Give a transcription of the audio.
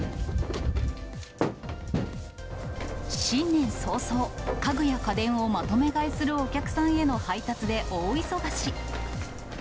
新年早々、家具や家電をまとめ買いするお客さんへの配達で大忙し。